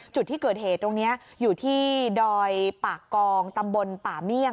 จุดที่เกิดเหตุตรงนี้อยู่ที่ดอยปากกองตำบลป่าเมี่ยง